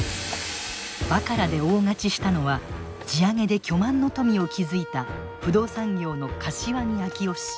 バカラで大勝ちしたのは地上げで巨万の富を築いた不動産業の柏木昭男氏。